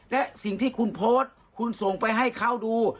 และสิ่งที่คุณโพสต์คุณส่งไปให้เขาดู